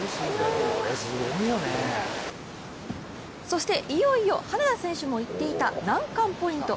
そして、いよいよ羽根田選手も言っていた難関ポイント。